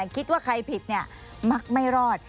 คิดว่าใครผิดมักไม่รอด